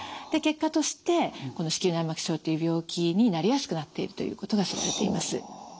で結果としてこの子宮内膜症という病気になりやすくなっているということが知られています。